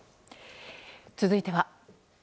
続いては。